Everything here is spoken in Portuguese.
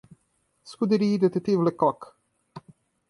scuderie detetive le cocq